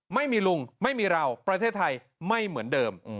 ไม่มีลุงไม่มีเราประเทศไทยไม่เหมือนเดิม